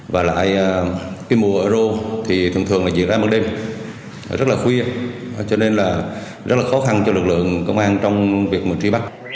và lại cái mùa eu thì thường thường là diễn ra một đêm rất là khuya cho nên là rất là khó khăn cho lực lượng công an trong việc truy bắt